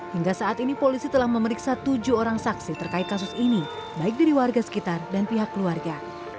hingga saat ini polisi telah memeriksa tujuh orang saksi terkait kasus ini baik dari warga sekitar dan pihak keluarga